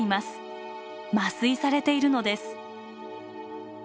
麻酔されているのです。